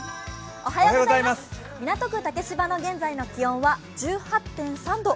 港区竹芝の現在の気温は１８．３度。